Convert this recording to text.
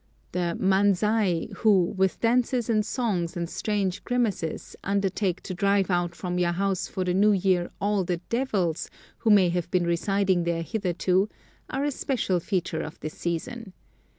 The manzai, who, with dances and songs and strange grimaces, undertake to drive out from your house for the new year all the devils who may have been residing there hitherto, are a special feature of this season.